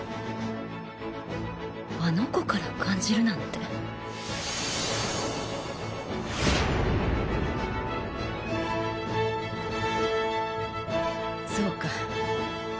あの子から感じるなんてそうか。